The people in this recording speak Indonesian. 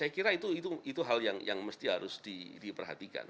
kira itu hal yang harus diperhatikan